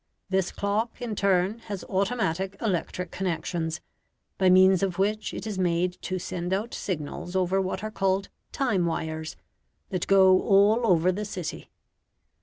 This clock, in turn, has automatic electric connections, by means of which it is made to send out signals over what are called "time wires" that go all over the city.